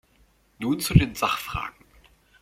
Nun zu den Sachfragen.